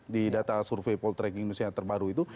di data survei poll tracking indonesia yang terbaru itu